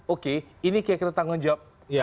oke ini kita tanggung jawab